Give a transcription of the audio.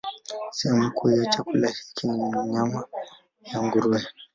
Sehemu kuu ya chakula hiki ni nyama ya nguruwe.